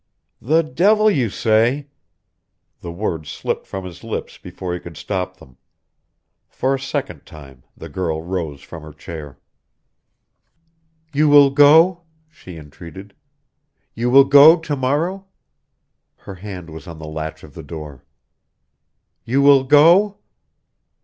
"The devil, you say!" The words slipped from his lips before he could stop them. For a second time the girl rose from her chair. "You will go?" she entreated. "You will go to morrow?" Her hand was on the latch of the door. "You will go?"